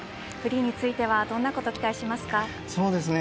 フリーにはどんなことを期待しますか。